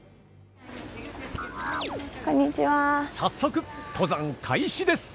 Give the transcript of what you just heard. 早速登山開始です！